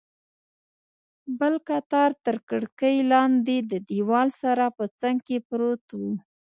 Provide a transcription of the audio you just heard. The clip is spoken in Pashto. بل قطار تر کړکۍ لاندې، د دیوال سره په څنګ کې پروت و.